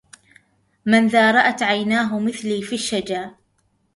من ذا رأت عيناه مثلي في الشجا